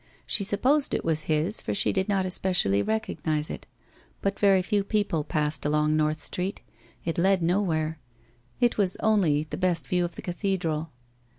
She supposed it was his for she did not especially recognize it, but very few people passed along North Street; it led nowhere; it was only the best view of the cathedral.